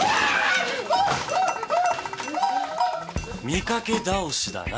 見かけ倒しだな。